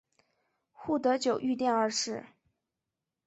护得久御殿二世。